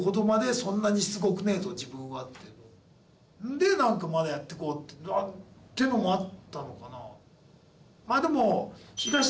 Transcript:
でなんかまだやっていこうっていうのもあったのかな。